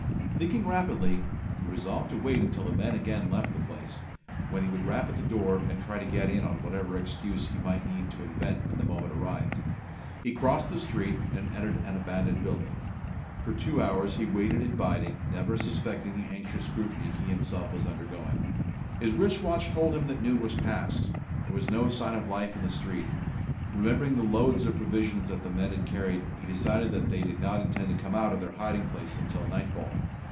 Thinking rapidly, he resolved to wait until the men again left the place, when he would rap at the door, and try to get in on whatever excuse he might need to invent when the moment arrived. He crossed the street, and entered an abandoned building. For two hours he waited in biding, never suspecting the anxious scrutiny he himself was undergoing. His wrist watch told him that noon was past. There was no sign of life in the street. Remembering the loads of provisions that the men had carried, he decided that they did not intend to come out of their hiding place until nightfall.